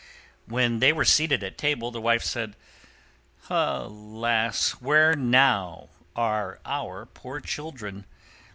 When they were seated at table, the Wife said, "Alas! where now are our poor children?